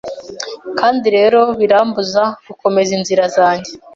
Kandi rero birambuza gukomeza inzira zanjye